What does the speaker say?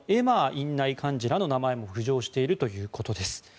院内幹事らの名前も浮上しているということです。